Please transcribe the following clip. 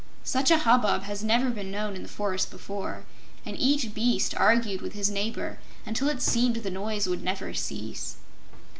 Such a hubbub had never been known in the forest before, and each beast argued with his neighbor until it seemed the noise would never cease.